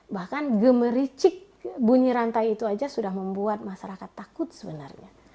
bahkan gemericik bunyi rantai itu saja sudah membuat masyarakat takut sebenarnya